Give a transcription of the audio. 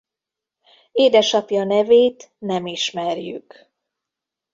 Édesapja nevét nem ismerjük.